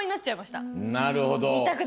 なるほど。